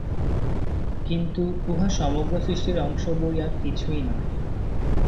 কিন্তু উহা সমগ্র সৃষ্টির অংশ বৈ আর কিছুই নয়।